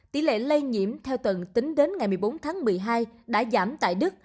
tỷ lệ lây nhiễm theo tầng tính đến ngày một mươi bốn tháng một mươi hai đã giảm tại đức